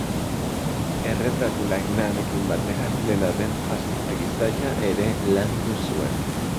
Erretratu-lanekin batera, dena den, paisaia ere landu zuen.